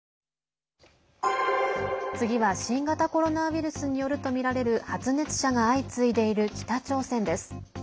次は新型コロナウイルスによるとみられる発熱者が相次いでいる北朝鮮です。